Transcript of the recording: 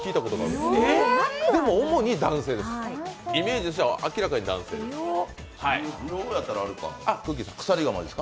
でも主に男性です、イメージとしては明らかに男性です。